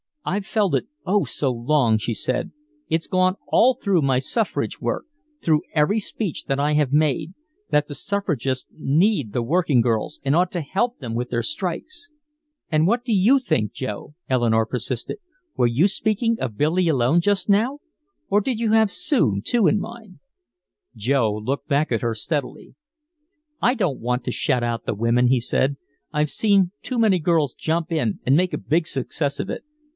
"I've felt it, oh so long," she said. "It's gone all through my suffrage work through every speech that I have made that the suffragists need the working girls and ought to help them win their strikes!" "And what do you think, Joe?" Eleanore persisted. "Were you speaking of Billy alone just now or did you have Sue, too, in mind?" Joe looked back at her steadily. "I don't want to shut out the women," he said. "I've seen too many girls jump in and make a big success of it.